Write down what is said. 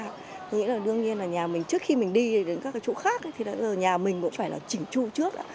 tôi nghĩ là đương nhiên là nhà mình trước khi mình đi đến các chỗ khác thì nhà mình cũng phải chỉnh chùa trước